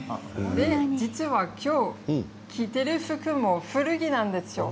実は今日着ている服も古着なんです。